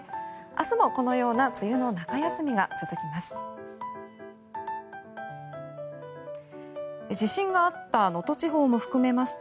明日もこのような梅雨の中休みが続きます。